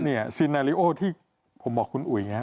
ก็เนี่ยสีนาลิโอที่ผมบอกคุณอุ๋ยไง